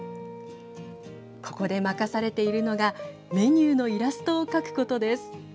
ここで任されているのがメニューのイラストを描くことです。